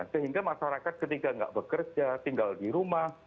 sehingga masyarakat ketika tidak bekerja tinggal di rumah